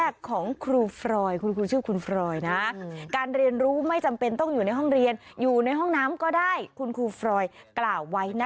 เอ้าแฮชแท็กนี้นะคะ